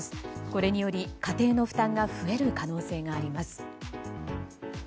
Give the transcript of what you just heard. これにより、家庭の負担が増える可能性があります。